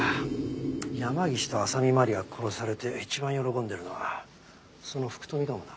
山岸と浅見麻里が殺されて一番喜んでるのはその福富かもな。